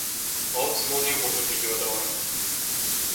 Oz mon jeu buca pli giuadora.